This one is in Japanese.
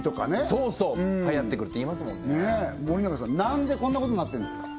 そうそうはやってくるっていいますもんね森永さん何でこんなことになってるんですか？